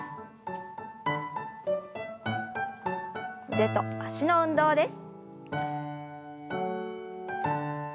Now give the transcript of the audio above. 腕と脚の運動です。